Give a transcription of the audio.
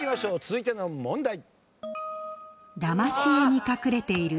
続いての問題。